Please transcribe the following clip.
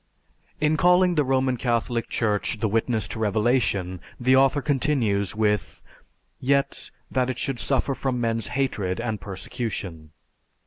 In calling the Roman Catholic Church the witness to revelation, the author continues with, "Yet, that it should suffer from men's hatred and persecution."